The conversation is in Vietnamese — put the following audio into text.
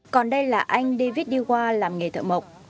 còn đây là anh david diwa làm nghề thợ mộc